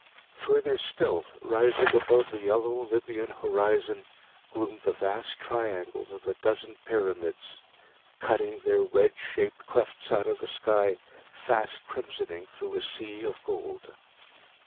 Further still, rising above the yellow Libyan horizon, gloomed the vast triangles of a dozen Pyramids, cutting their wedge shaped clefts out of a sky fast crimsoning through a sea of gold.